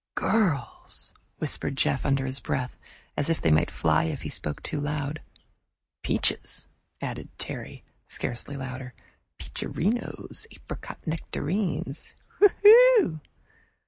"Girls!" whispered Jeff, under his breath, as if they might fly if he spoke aloud. "Peaches!" added Terry, scarcely louder. "Peacherinos apricot nectarines! Whew!"